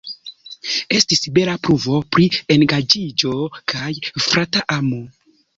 Estis bela pruvo pri engaĝiĝo kaj frata amo.